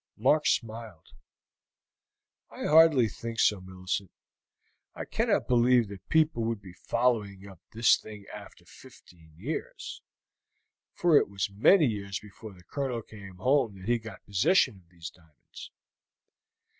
Mark smiled. "I hardly think so, Millicent. I cannot believe that people would be following up this thing for over fifteen years, for it was many years before the Colonel came home that he got possession of these diamonds.